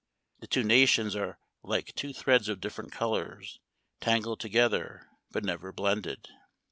The two nations are like two threads of different colors, tangled to gether, but never blended.